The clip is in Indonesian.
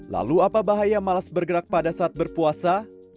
lalu apa bahaya malas bergerak pada saat berpuasa